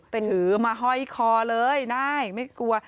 ถือมาห้อยคอเลยนายไม่กลัว